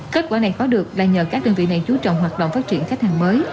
kết quả này có được là nhờ các đơn vị này chú trọng hoạt động phát triển khách hàng mới